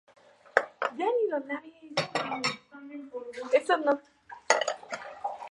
Tiene el órgano más grande de toda Europa Central.